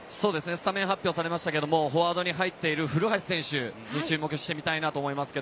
スタメン発表されましたが、フォワードに入っている古橋選手に注目していきたいなと思います。